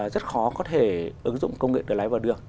rất khó có thể ứng dụng công nghệ tự lái vào đường